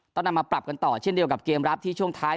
ต้องนำมาปรับกันต่อเช่นเดียวกับเกมรับที่ช่วงท้าย